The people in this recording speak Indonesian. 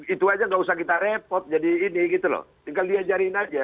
itu saja tidak usah kita repot jadi ini gitu loh tinggal diajarin saja akhir bicara